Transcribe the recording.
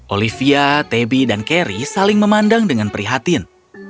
olivia tabby dan carrie saling memandang dengan prihatin